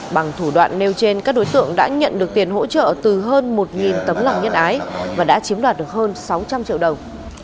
bằng thủ đoạn nêu trên các đối tượng đã nhận được tiền hỗ trợ từ hơn một tấm lòng nhân ái và đã chiếm đoạt được hơn sáu trăm linh triệu đồng